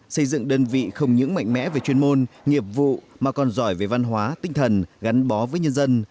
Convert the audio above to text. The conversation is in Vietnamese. xây dựng đơn vị không những mạnh mẽ về chuyên môn nghiệp vụ mà còn giỏi về văn hóa tinh thần gắn bó với nhân dân